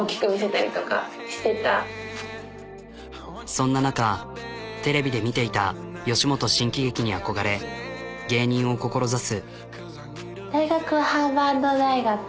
そんな中テレビで見ていた吉本新喜劇に憧れ芸人を志す。